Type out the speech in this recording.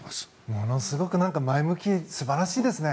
ものすごく前向き素晴らしいですね。